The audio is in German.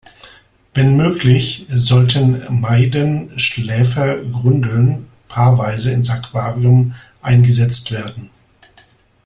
Wenn möglich sollten Maiden-Schläfergrundeln paarweise ins Aquarium eingesetzt werden.